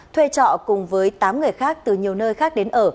thuê trọ cùng với tám người khác từ nhiều nơi khác đến ở